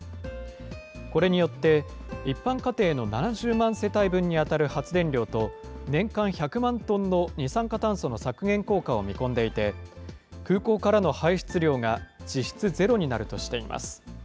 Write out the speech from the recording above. これによって、一般家庭の７０万世帯分に当たる発電量と、年間１００万トンの二酸化炭素の削減効果を見込んでいて、空港からの排出量が実質ゼロになるとしています。